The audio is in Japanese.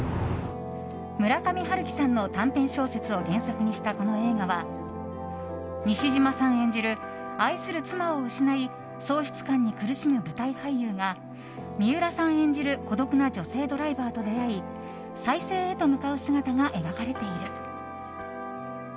村上春樹さんの短編小説を原作にしたこの映画は、西島さん演じる愛する妻を失い喪失感に苦しむ舞台俳優が三浦さん演じる孤独な女性ドライバーと出会い再生へと向かう姿が描かれている。